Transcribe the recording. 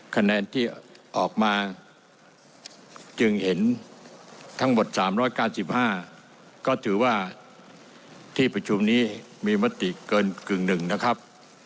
คะแนนที่ออกมาจึงเห็นทั้งหมด๓๙๕ก็ถือว่าที่ประชุมนี้มีมติเกินกึ่งหนึ่งนะครับ